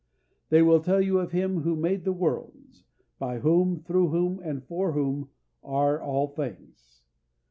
They will tell of Him who made the worlds, "by whom, through whom, and for whom are all things."